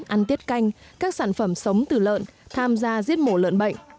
ăn tiết canh các sản phẩm sống từ lợn tham gia giết mổ lợn bệnh